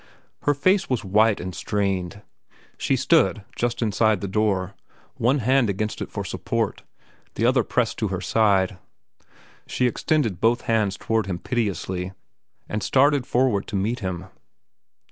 Her face was white and strained. She stood just inside the door, one hand against it for support, the other pressed to her side. She extended both hands toward him piteously, and started forward to meet him.